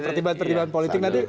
pertimbangan pertimbangan politik tadi